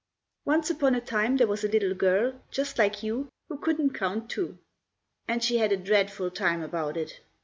ONCE upon a time there was a little girl, just like you, who couldn't count two. And she had a dreadful time about it!